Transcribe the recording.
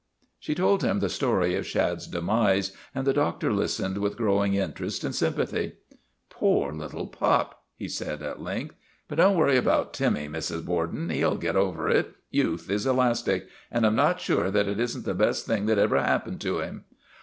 She told him the story of Shad's demise and the doctor listened with growing interest and sympathy. " Poor little pup," he said at length. " But don't worry about Timmy, Mrs. Borden. He '11 get over it ; youth is elastic. And I 'm not sure that it is n't the best thing that ever happened to him.''